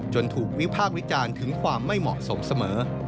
ถูกวิพากษ์วิจารณ์ถึงความไม่เหมาะสมเสมอ